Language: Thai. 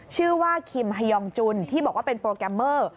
ชื่อว่าคิมฮายองจุนที่บอกว่าเป็นโปรแกรมเมอร์